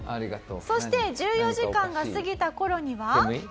そして１４時間が過ぎた頃には。